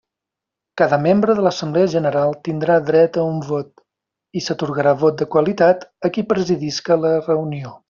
Cada membre de l'assemblea general tindrà dret a un vot, i s'atorgarà vot de qualitat a qui presidisca la reunió.